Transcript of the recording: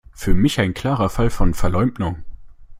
Für mich ein klarer Fall von Verleumdung.